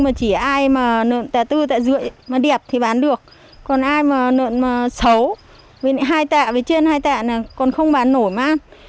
mà đẹp thì bán được còn ai mà lợn xấu bên hai tạ bên trên hai tạ là còn không bán nổi mà ăn